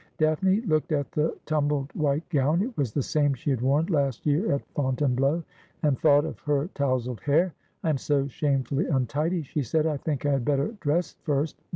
Daphne looked at the tumbled white gown — it was the same she had worn last year at Fontainebleau — and thought of her towzled hair. ' I am so shamefully untidy,' she said ;' I think I had better dress first.